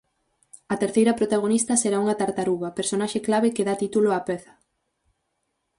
A terceira protagonista será unha tartaruga, personaxe clave que dá título á peza.